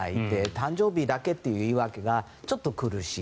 誕生日だけっていう言い訳がちょっと苦しい。